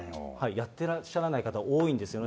やってらっしゃらない方多いんですよね。